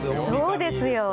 そうですよね。